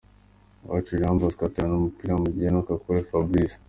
Uwacu Jean Bosco aterana umupira Mugheno Kakule Fabrice.